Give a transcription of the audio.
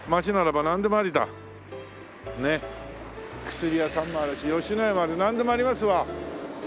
薬屋さんもあるし野家もあるなんでもありますわ。